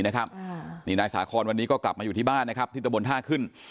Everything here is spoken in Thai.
นี่นายสาคอนวันนี้ก็กลับมาอยู่ที่บ้านนะครับที่ตะบนท่าขึ้น